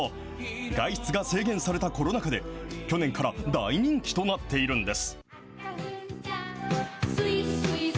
外出が制限されたコロナ禍で、去年から大人気となっているんです。